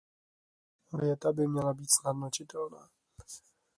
věta by měla být snadno čitelná